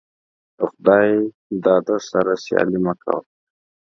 دخداى داده سره سيالي مه کوه.